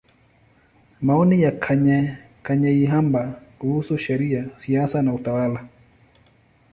Maoni ya Kanyeihamba kuhusu Sheria, Siasa na Utawala.